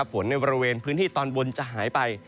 ในบริเวณพื้นที่ตอนบนจะหายไป